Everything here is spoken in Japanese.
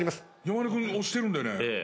山根君押してるんでね。